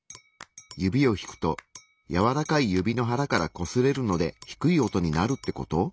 指を引くとやわらかい指の腹からこすれるので低い音になるってこと？